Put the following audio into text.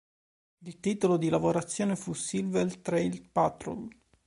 Il titolo di lavorazione fu "Silver Trail Patrol".